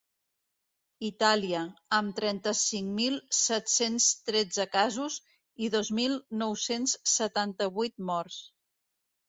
Itàlia, amb trenta-cinc mil set-cents tretze casos i dos mil nou-cents setanta-vuit morts.